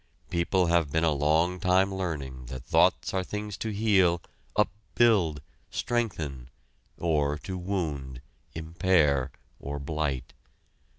People have been a long time learning that thoughts are things to heal, upbuild, strengthen; or to wound, impair, or blight.